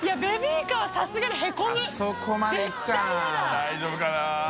大丈夫かな？